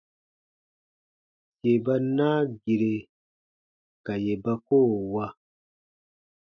Yè ba naa gire ka yè ba koo wa.